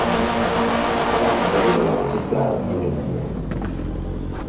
Abantu babiri batiddwa ababbi b'emmundu.